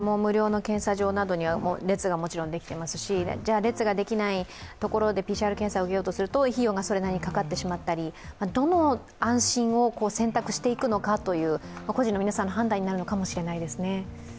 難しいですね、海外でも無料の検査場などには列がもちろんできていますし、列ができていない所でＰＣＲ検査を受けようとすると費用がそれなりにかかってしまったりどの安心を選択していくのかという個人の皆さんの判断になるのかもしれないですね。